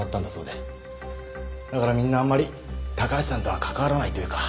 だからみんなあんまり高橋さんとは関わらないというか。